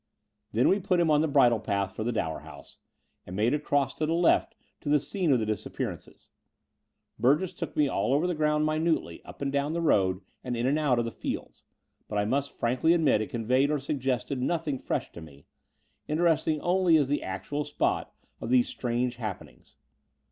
Then we put him on the bridle path for the Dower House, and made across to the left to the scene of the disappearances. Burgess took me all over the ground minutely, up and down the road and in and out of the fields: but I must frankly admit it conveyed or suggested nothing fresh to me, interesting only as the actual spot of these strange happenings.